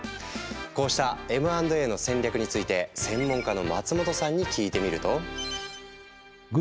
こうしたＭ＆Ａの戦略について専門家の松本さんに聞いてみると。